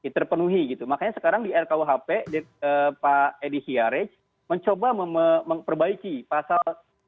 terpenuhi gitu makanya sekarang di rkuhp pak edi hiarej mencoba memperbaiki pasal